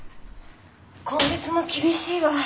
・今月も厳しいわ。